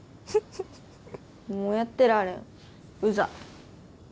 もうやってられんうざい。